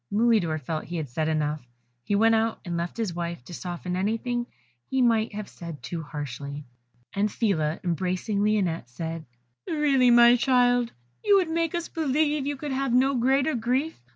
Mulidor felt he had said enough; he went out and left his wife to soften anything he might have said too harshly; and Phila, embracing Lionette, said, "Really, my child, you would make us believe you could have no greater grief.